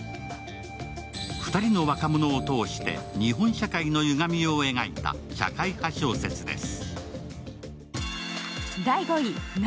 ２人の若者を通して日本社会のゆがみを描いた社会派小説です。